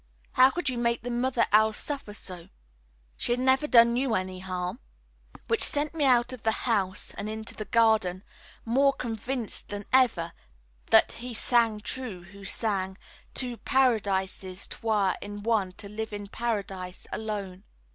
How could you make the mother owl suffer so? She had never done you any harm." Which sent me out of the house and into the garden more convinced than ever that he sang true who sang Two paradises 'twere in one to live in Paradise alone.